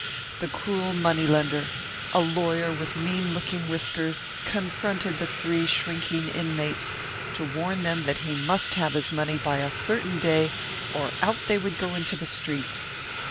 The cruel money lender, a lawyer with mean looking whiskers, confronted the three shrinking inmates to warn them that he must have his money by a certain day or out they would go into the streets.